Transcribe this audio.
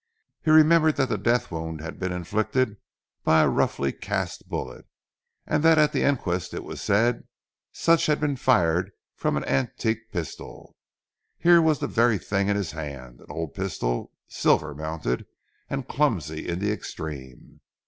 He remembered that the death wound had been inflicted by a roughly cast bullet, and that at the inquest it was said such had been fired from an antique pistol. Here was the very thing in his hand an old pistol, silver mounted, and clumsy in the extreme.